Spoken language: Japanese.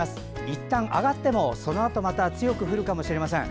いったん上がってもそのあとまた強く降るかもしれません。